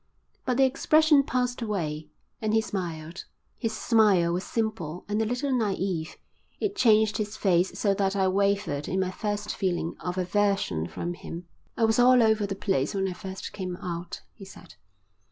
But the expression passed away and he smiled. His smile was simple and a little naïve. It changed his face so that I wavered in my first feeling of aversion from him. "I was all over the place when I first came out," he said.